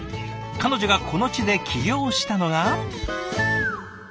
彼女がこの地で起業したのが。